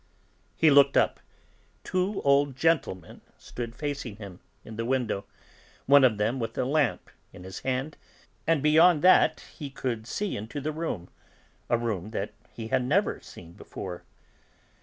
He looked up. Two old gentlemen stood facing him, in the window, one of them with a lamp in his hand; and beyond them he could see into the room, a room that he had never seen before.